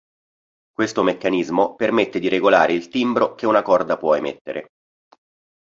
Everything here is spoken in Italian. Questo meccanismo permette di regolare il timbro che una corda può emettere.